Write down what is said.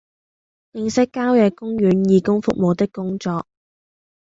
認識郊野公園義工服務的工作